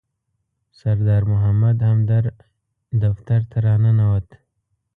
سردار محمد همدرد دفتر ته راننوت.